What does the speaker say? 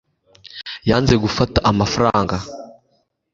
yanze gufata amafaranga